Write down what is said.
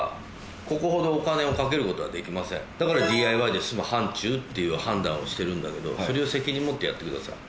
だからＤＩＹで済む範疇っていう判断をしてるんだけどそれを責任持ってやってください。